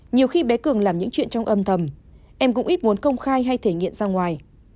nhiều khi bé cường làm những chuyện trong âm thầm em cũng ít muốn công khai hay thể nghiệm ra ngoài